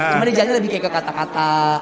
cuma di jalannya lebih kayak ke kata kata